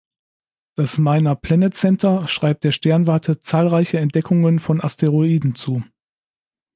Das Minor Planet Center schreibt der Sternwarte zahlreiche Entdeckungen von Asteroiden zu.